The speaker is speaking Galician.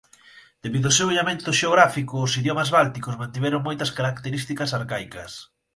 Debido ao seu illamento xeográfico os idiomas bálticos mantiveron moitas características arcaicas.